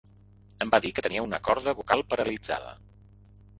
Em va dir que tenia una corda vocal paralitzada